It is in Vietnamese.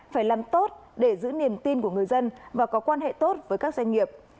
phải làm tốt để giữ niềm tin của người dân và có quan hệ tốt với các doanh nghiệp